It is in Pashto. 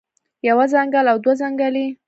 يوه څنګل او دوه څنګلې